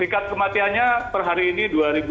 tingkat kematiannya per hari ini dua delapan ratus